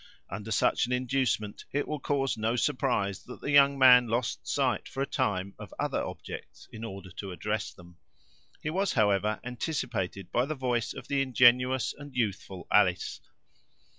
Under such an inducement it will cause no surprise that the young man lost sight for a time, of other objects in order to address them. He was, however, anticipated by the voice of the ingenuous and youthful Alice.